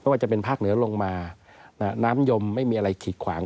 ว่าจะเป็นภาคเหนือลงมาน้ำยมไม่มีอะไรขีดขวาง